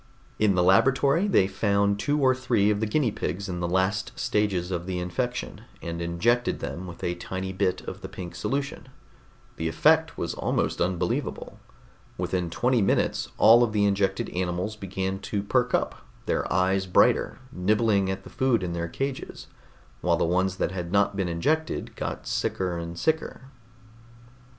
In the laboratory they found two or three of the guinea pigs in the last stages of the infection, and injected them with a tiny bit of the pink solution. The effect was almost unbelievable. Within twenty minutes all of the injected animals began to perk up, their eyes brighter, nibbling at the food in their cages, while the ones that had not been injected got sicker and sicker.